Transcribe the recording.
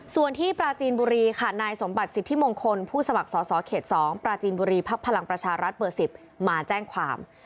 ส่วนที่ปราจีนบุรีค่ะนายสมบัติสิทธิมงคลผู้สมัครสอสอเขต๒ปราจีนบุรีพักพลังประชารัฐเบอร์๑๐มาแจ้งความ